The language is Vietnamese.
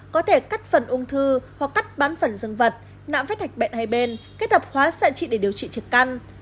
có thể cắt phần ung thư hoặc cắt bán phần dương vật nạm phép hạch bệnh hai bên kết hợp hóa sạch trị để điều trị trực căn